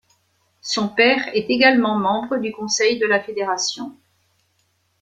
Son père est également membre du conseil de la fédération.